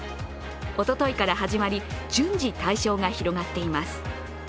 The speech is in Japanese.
おとといから始まり、順次対象が広がっています。